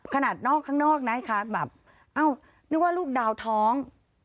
ขนาดข้างนอกนะครับแบบนึกว่าลูกดาวท้อง